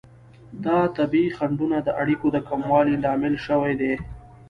دا طبیعي خنډونه د اړیکو د کموالي لامل شوي دي.